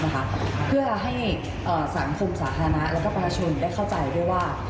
เพื่อให้สังคมสาธารณะแล้วก็ประชาชนได้เข้าใจด้วยว่า